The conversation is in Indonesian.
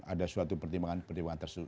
ada suatu pertimbangan pertimbangan tersebut